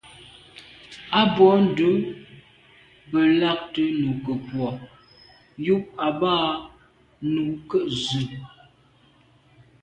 A bwô ndù be lagte nukebwô yub à ba nu ke ze.